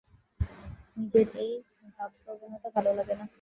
নিজের এই ভাবপ্রবণতা ভালো লাগে না।